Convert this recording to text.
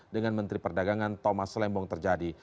dengan menteri perdagangan thomas lembong terjadi